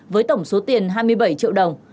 với tổng số tiền hai mươi bảy triệu đồng